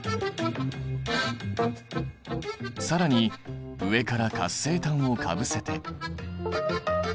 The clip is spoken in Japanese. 更に上から活性炭をかぶせて。